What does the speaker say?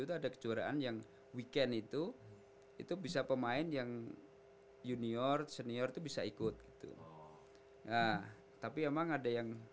itu ada kejuaraan yang weekend itu itu bisa pemain yang junior senior itu bisa ikut gitu nah tapi emang ada yang